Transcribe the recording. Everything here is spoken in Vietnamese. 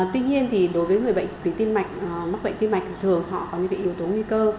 tuy nhiên thì đối với người bệnh vì tim mạch mắc bệnh tim mạch thì thường họ có những yếu tố nguy cơ